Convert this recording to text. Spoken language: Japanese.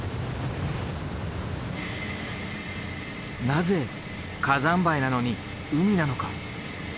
なぜ火山灰なのに海なのか？